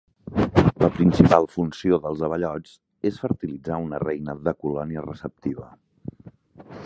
La principal funció dels abellots és fertilitzar una reina de colònia receptiva.